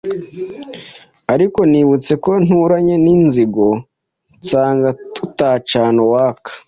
ariko nibutse ko nturanye n’inzigo nsanga tutacana uwaka